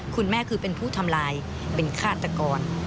คุณแม่คือเป็นผู้ทำลายเป็นฆาตกร